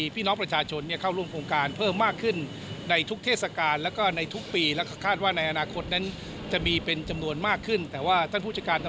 ต้องเจอกันมาในสูงวัน